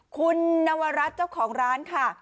คุณนวรัฐเจ้าของร้านค่ะ